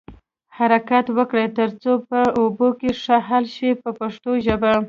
حرکت ورکړئ تر څو په اوبو کې ښه حل شي په پښتو ژبه.